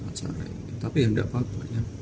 acara ini tapi ya gak apa apa